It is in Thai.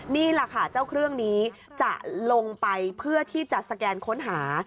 นี่แหละค่ะเจ้าเครื่องนี้จะลงไปเพื่อที่จะสแกนค้นหา